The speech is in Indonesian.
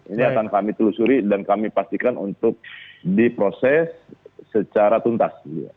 ini akan kami telusuri dan kami pastikan untuk diproses secara tuntas